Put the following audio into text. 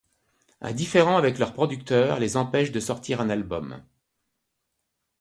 Un différend avec leur producteur les empêche de sortir un album.